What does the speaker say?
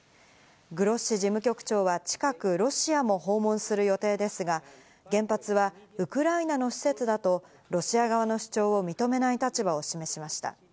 グロッシ事務局長は近くロシアも訪問する予定ですが、原発はウクライナの施設だとロシア側の主張を認めない立場を示しました。